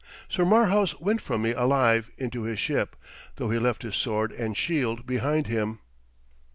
Sir Marhaus went from me alive into his ship, though he left his sword and shield behind him.'